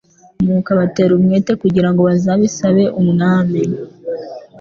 Nuko abatera umwete kugira ngo bazabisabe Umwami.